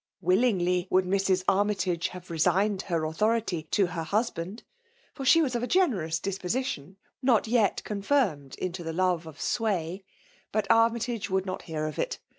Willingly would Mrs. Army tage have resigned her authority to her hus band, for she was of a generous disposition, not yet confirmed into the love of s^vay ; but Armytage would not hear of it.